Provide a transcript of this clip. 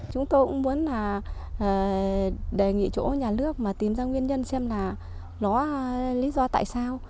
chúng tôi cũng muốn là đề nghị chỗ nhà nước mà tìm ra nguyên nhân xem là nó lý do tại sao